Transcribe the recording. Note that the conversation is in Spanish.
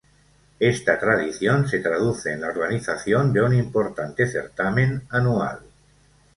Esta tradición se traduce en la organización de un importante certamen anual.